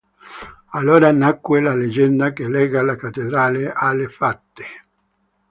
Allora nacque la leggenda che lega la cattedrale alle fate.